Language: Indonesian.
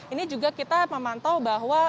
ini juga kita memantau bahwa